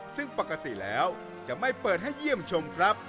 ซึ่งปกติแล้วจะไม่เปิดให้เยี่ยมชมครับ